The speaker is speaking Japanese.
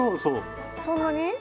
そんなに？